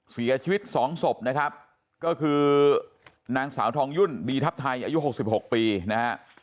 เสียชีวิต๒ศพนะครับก็คือนางสาวทองยุ่นดีทัพไทยอายุ๖๖ปีนะฮะ